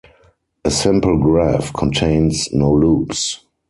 A simple graph contains no loops.